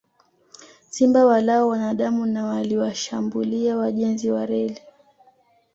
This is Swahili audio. Simba walao wanadamu na waliwashambulia wajenzi wa reli